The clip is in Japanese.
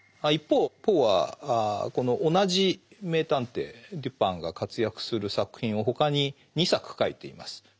一方ポーはこの同じ名探偵デュパンが活躍する作品を他に２作書いています。